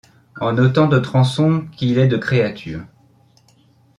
En autant de tronçons qu’il est de créatures ;